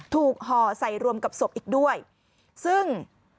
ห่อใส่รวมกับศพอีกด้วยซึ่ง